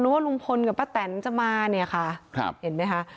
ว่าลุงพลกับป้าแตนจะมาเนี่ยค่ะครับเห็นไหมคะ